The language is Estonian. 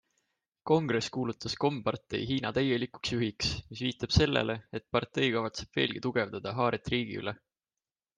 Kongress kuulutas kompartei Hiina täielikuks juhiks, mis viitab sellele, et partei kavatseb veelgi tugevdada haaret riigi üle.